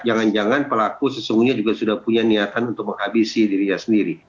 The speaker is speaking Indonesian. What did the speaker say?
jangan jangan pelaku sesungguhnya juga sudah punya niatan untuk menghabisi dirinya sendiri